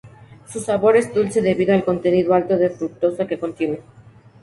Su sabor es dulce debido a la contenido alto de fructosa que contiene.